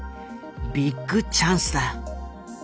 ビッグチャンスだ。